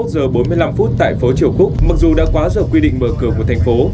hai mươi một giờ bốn mươi năm phút tại phố triều quốc mặc dù đã quá giờ quy định mở cửa một thành phố